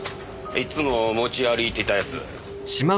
いつも持ち歩いてたやつ。